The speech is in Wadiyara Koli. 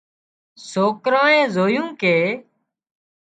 سوڪرانئي زويُون ڪي